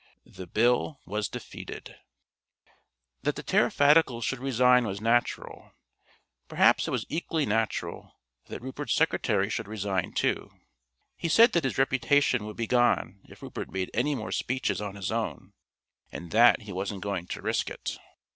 The Bill was defeated. That the Tariffadicals should resign was natural; perhaps it was equally natural that Rupert's secretary should resign too. He said that his reputation would be gone if Rupert made any more speeches on his own, and that he wasn't going to risk it.